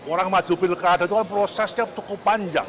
orang maju pilkada itu kan prosesnya cukup panjang